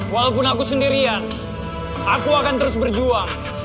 walaupun aku sendirian aku akan terus berjuang